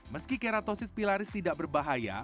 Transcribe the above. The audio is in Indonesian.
meski keratosis pilaris tidak berbahaya